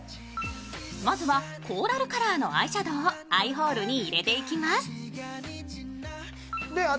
まずはコーラルカラーのアイシャドーをアイホールに入れていきます。